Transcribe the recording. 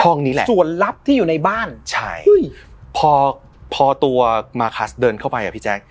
นี้แหละส่วนลับที่อยู่ในบ้านใช่พอพอตัวมาคัสเดินเข้าไปอ่ะพี่แจ๊ค